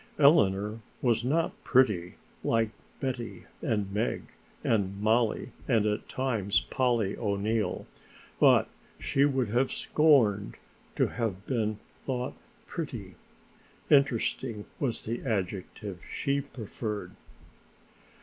Eleanor was not pretty like Betty and Meg and Mollie and, at times, Polly O'Neill, but she would have scorned to have been thought pretty interesting was the adjective she preferred.